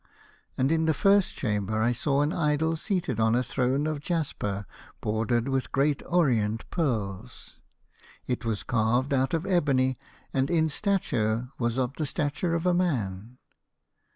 " And in the first chamber I saw an idol seated on a throne of jasper bordered with great orient pearls. It was carved out of ebony, and in stature was of the stature of a man.